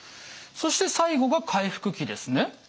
そして最後が回復期ですね。